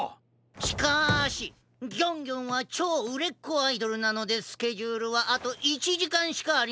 しかしギョンギョンはちょううれっこアイドルなのでスケジュールはあと１じかんしかありませんな。